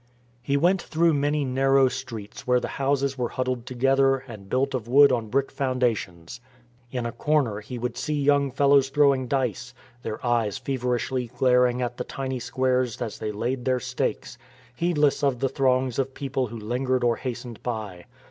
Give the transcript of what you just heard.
He went through many narrow streets where the houses were huddled together and built of wood on brick foundations. In a corner he would see young fellows throwing dice, their eyes feverishly glaring at the tiny squares as they laid their stakes, heedless "MIGHTIER THAN THE SWORD" 351 of the throngs of people who lingered or hastened by.